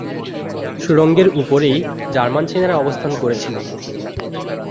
সুড়ঙ্গের উপরেই জার্মান সেনারা অবস্থান করছিল।